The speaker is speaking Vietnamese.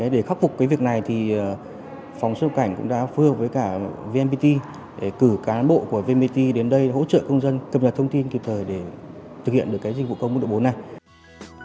để khắc phục cái việc này phòng xuất cảnh cũng đã phù hợp với cả vnpt để cử cán bộ của vnpt đến đây hỗ trợ công dân cập nhật thông tin kịp thời để thực hiện được dịch vụ công mức độ bốn này